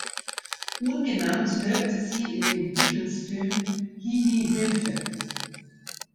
Ungenannt wirkte sie in dem Beatles-Film "Hi-Hi-Hilfe!